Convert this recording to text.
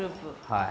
はい。